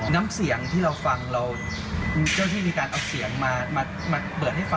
น้ำเสียงที่เราฟังเราเจ้าที่มีการเอาเสียงมาเปิดให้ฟัง